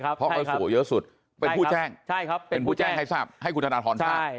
เพราะเขาส่วนเยอะสุดเป็นผู้แจ้งให้คุณธนทรนทราบ